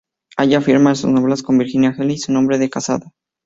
Ella firma sus novelas como Virginia Henley, su nombre de casada.